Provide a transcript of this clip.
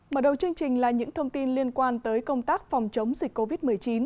mở đầu chương trình là những thông tin liên quan tới công tác phòng chống dịch covid một mươi chín